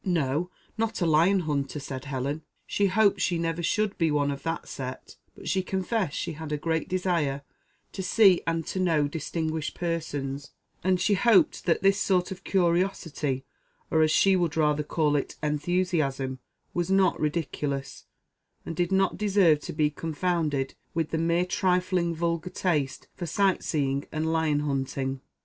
"No, not a lion hunter," said Helen; she hoped she never should be one of that set, but she confessed she had a great desire to see and to know distinguished persons, and she hoped that this sort of curiosity, or as she would rather call it enthusiasm, was not ridiculous, and did not deserve to be confounded with the mere trifling vulgar taste for sight seeing and lion hunting.